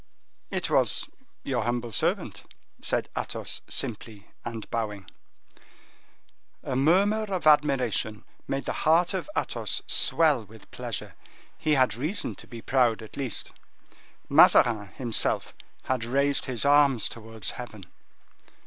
"It was your humble servant," said Athos, simply, and bowing. A murmur of admiration made the heart of Athos swell with pleasure. He had reason to be proud, at least. Mazarin, himself, had raised his arms towards heaven.